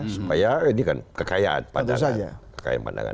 supaya ini kan kekayaan pandangan